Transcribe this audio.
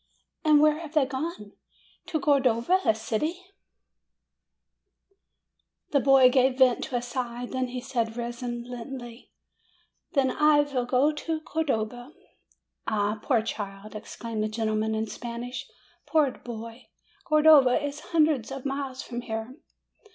"And where have they gone?" "To Cordova, a city." FROM APENNINES TO THE ANDES 265 The boy gave vent to a sigh ; then he said resignedly, "Then I Avill go to Cordova." "Ah, poor child!" exclaimed the gentleman in Spanish; "poor boy! Cordova is hundreds of miles from here."